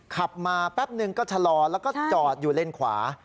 ขับมาแป๊บนึงก็ชะลอแล้วก็จอดอยู่เลนขวา